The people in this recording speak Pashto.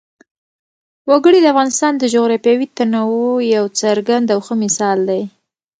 وګړي د افغانستان د جغرافیوي تنوع یو څرګند او ښه مثال دی.